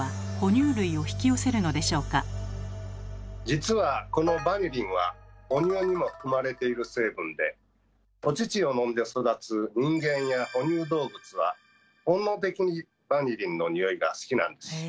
実はこのバニリンは母乳にも含まれている成分でお乳を飲んで育つ人間や哺乳動物は本能的にバニリンのにおいが好きなんです。